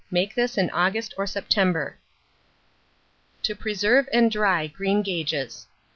Make this in August or September. TO PRESERVE AND DRY GREENGAGES.